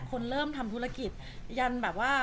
คนเริ่มทำธุรกิจยันแบบว่า